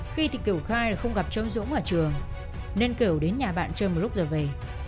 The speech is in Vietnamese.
khi thì cầu khai là không gặp cháu dũng ở trường nên cầu đến nhà bạn chơi một lúc giờ về